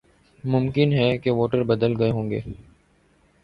ممکن ہے کہ ووٹر بدل گئے ہوں۔